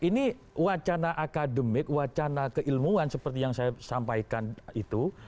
ini wacana akademik wacana keilmuan seperti yang saya sampaikan itu